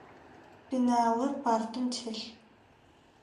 Пеналыр партым телъ.